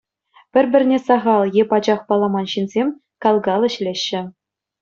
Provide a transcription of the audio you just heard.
Пӗр-пӗрне сахал е пачах палламан ҫынсем кал-кал ӗҫлеҫҫӗ.